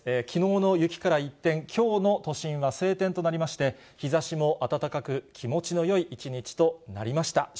きのうの雪から一転、きょうの都心は晴天となりまして、日ざしも暖かく、気持ちのよい一日となりました。